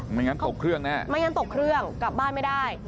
ไม่งั้นตกเครื่องแน่ไม่งั้นตกเครื่องกลับบ้านไม่ได้